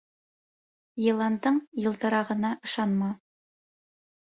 Йыландың йылтырағына ышанма.